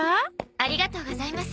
ありがとうございます。